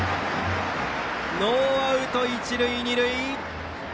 ノーアウト、一塁二塁。